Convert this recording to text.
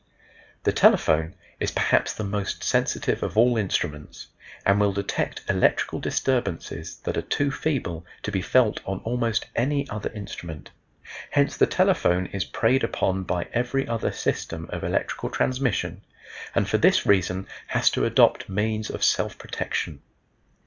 The telephone is perhaps the most sensitive of all instruments, and will detect electrical disturbances that are too feeble to be felt on almost any other instrument, hence the telephone is preyed upon by every other system of electrical transmission, and for this reason has to adopt means of self protection.